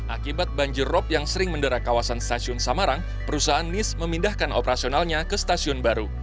akibat banjir rob yang sering mendera kawasan stasiun samarang perusahaan nis memindahkan operasionalnya ke stasiun baru